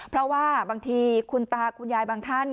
เพราะว่าบางทีคุณตาคุณยายบางท่าน